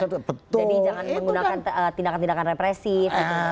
jadi jangan menggunakan tindakan tindakan represif